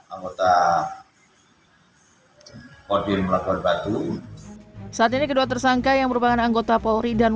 anggota odin meragor batu saat ini kedua tersangka yang berpengen anggota polri dan